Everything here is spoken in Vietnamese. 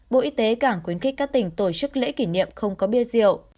bộ y tế cảng quyến khích các tỉnh tổ chức lễ kỷ niệm không có bia rượu